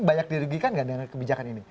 banyak dirugikan nggak dengan kebijakan ini